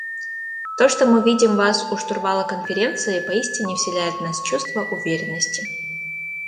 То, что мы видим вас у штурвала Конференции, поистине вселяет в нас чувство уверенности.